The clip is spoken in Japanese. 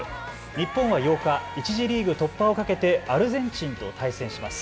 日本は８日、１次リーグ突破をかけてアルゼンチンと対戦します。